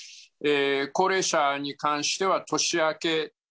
高齢者に関しては年明け。